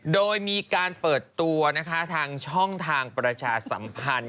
โดยมีการเปิดตัวนะคะทางช่องทางประชาสัมพันธ์